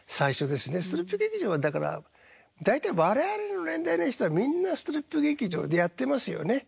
ストリップ劇場はだから大体我々の年代の人はみんなストリップ劇場でやってますよね。